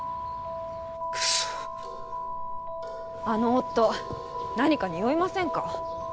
あの夫何かにおいませんか？